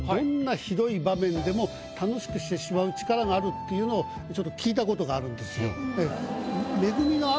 志らくはん。っていうのをちょっと聞いたことがあるんですよ。